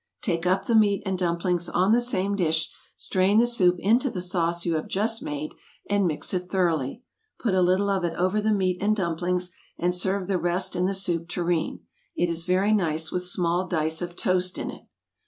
Take up the meat and dumplings on the same dish, strain the soup into the sauce you have just made, and mix it thoroughly; put a little of it over the meat and dumplings, and serve the rest in the soup tureen; it is very nice with small dice of toast in it.